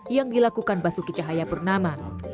yang dilakukan pasuki cahaya purnama